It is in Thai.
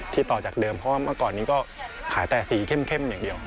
ต่อจากเดิมเพราะว่าเมื่อก่อนนี้ก็ขายแต่สีเข้มอย่างเดียว